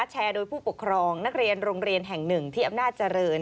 แชร์โดยผู้ปกครองนักเรียนโรงเรียนแห่งหนึ่งที่อำนาจเจริญ